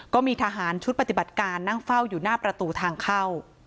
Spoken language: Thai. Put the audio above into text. ก็มีทหารชุดปฏิบัติการนั่งเฝ้าอยู่หน้าประตูทางเข้า